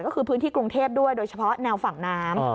ก็คือพื้นที่กรุงเทพด้วยโดยเฉพาะแนวฝั่งน้ำ